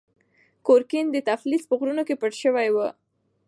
ګورګین د تفلیس په غرونو کې پټ شوی و.